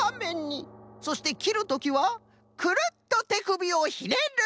そしてきるときはくるっとてくびをひねる！